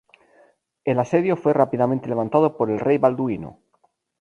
El asedio fue rápidamente levantado por el rey Balduino.